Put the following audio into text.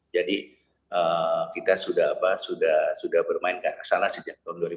jadi kita sudah bermain ke sana sejak tahun dua ribu tujuh belas